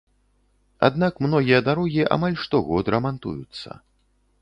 Аднак многія дарогі амаль штогод рамантуюцца.